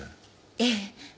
ええ。